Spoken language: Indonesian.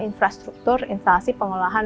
infrastruktur instalasi pengelolaan